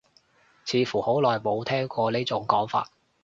似乎好耐冇聽過呢種講法